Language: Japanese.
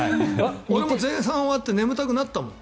俺も前半終わって眠たくなったもん。